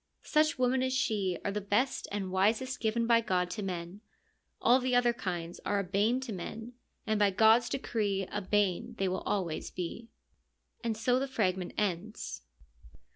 Such women as she are the best and wisest given by God to men : all the other kinds are a bane to men, and by God's decree a bane they always will be. „ And so the fragment ends.